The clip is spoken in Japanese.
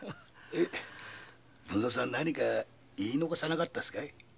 文造さん何か言い遺さなかったですかい？